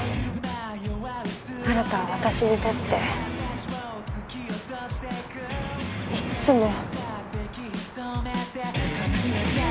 新は私にとっていっつも。